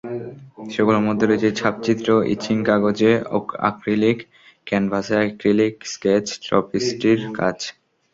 সেগুলোর মধ্যে রয়েছে ছাপচিত্র, ইচিং, কাগজে অ্যাক্রিলিক, ক্যানভাসে অ্যাক্রিলিক, স্কেচ, ট্র্যাপিস্টির কাজ।